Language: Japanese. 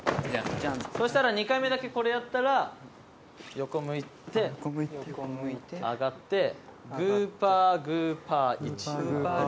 そしたら２回目だけこれやったら横向いて上がってグパグパイチ。